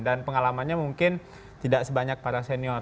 dan pengalamannya mungkin tidak sebanyak para senior